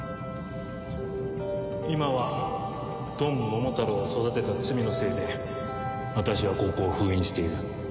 今はドンモモタロウを育てた罪のせいで私がここを封印している。